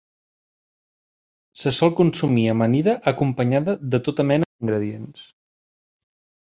Se sol consumir amanida acompanyada de tota mena d'ingredients.